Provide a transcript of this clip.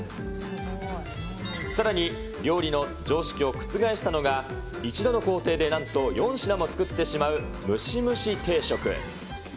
さらに料理の常識を覆したのが、一度の工程でなんと４品も作ってしまう、蒸し蒸し定食。